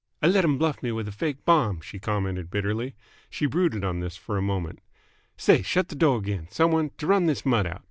"I let 'm bluff me with a fake bomb!" she commented bitterly. She brooded on this for a moment. "Say, shut th't door 'gain, some one, and t'run this mutt out.